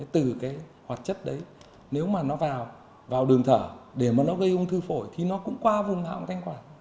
từ cái hoạt chất đấy nếu mà nó vào vào đường thở để mà nó gây ung thư phổi thì nó cũng qua vùng hạ ung thanh quản